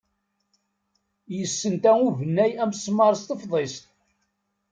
Yessenta ubennay amesmaṛ s tefḍist.